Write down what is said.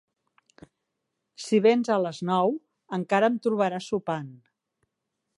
Si vens a les nou, encara em trobaràs sopant.